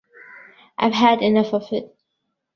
I've had enough of it.